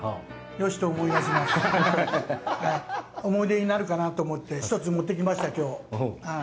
思い出になるかなと思って、ひとつ持ってきました、きょう。